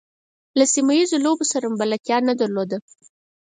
له سیمه ییزو لوبو سره مو بلدتیا نه درلوده.